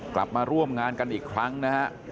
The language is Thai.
กลับมาร่วมงานกันอีกครั้งนะฮะ